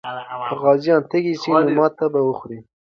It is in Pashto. که غازیان تږي سي، نو ماتې به وخوري.